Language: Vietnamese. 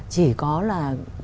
chỉ có là